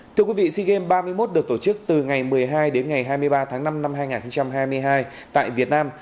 thưa quý vị sea games ba mươi một được tổ chức từ ngày một mươi hai đến ngày hai mươi ba tháng năm năm hai nghìn hai mươi hai tại việt nam